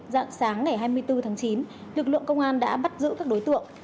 dạng sáng ngày hai mươi bốn tháng chín lực lượng công an đã bắt giữ các đối tượng